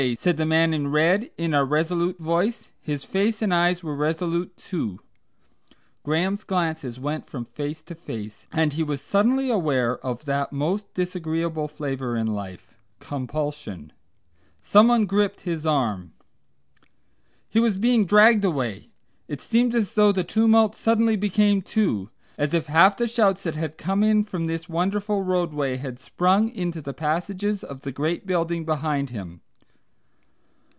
said the man in red in a resolute voice. His face and eyes were resolute, too. Graham's glances went from face to face, and he was suddenly aware of that most disagreeable flavour in life, compulsion. Someone gripped his arm.... He was being dragged away. It seemed as though the tumult suddenly became two, as if half the shouts that had come in from this wonderful roadway had sprung into the passages of the great building behind him.